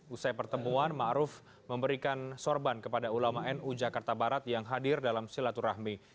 usai pertemuan ⁇ maruf ⁇ memberikan sorban kepada ulama nu jakarta barat yang hadir dalam silaturahmi